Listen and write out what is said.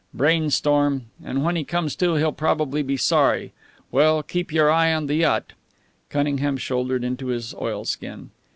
Brain storm and when he comes to he'll probably be sorry. Well, keep your eye on the yacht." Cunningham shouldered into his oilskin.